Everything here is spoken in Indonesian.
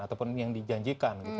ataupun yang dijanjikan gitu